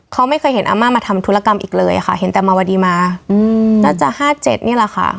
เขาไม่เคยเห็นอาม่ามาทำธุรกรรมอีกเลยค่ะเห็นแต่มาวดีมาแล้วจะ๕๗นี่แหละค่ะ